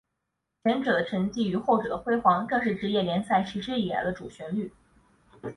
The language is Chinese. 前者的沉寂与后者的辉煌正是职业联赛实施以来的主旋律。